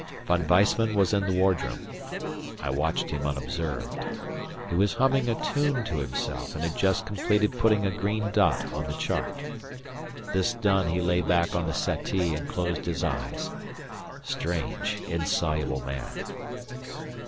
Von Weissman was in the wardroom. I watched him unobserved. He was humming a tune to himself and had just completed putting a green dot on the chart. This done he lay back on the settee and closed his eyes strange, insoluble man!